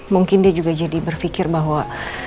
mungkin dia juga jadi berpikir bahwa